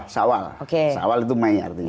sawal sawal itu mei